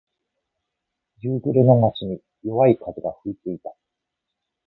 夕暮れの街に、弱い風が吹いていた。